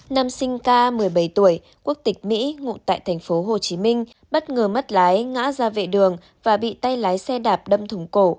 năm sinh ca một mươi bảy tuổi quốc tịch mỹ ngụ tại thành phố hồ chí minh bất ngờ mất lái ngã ra vệ đường và bị tay lái xe đạp đâm thùng cổ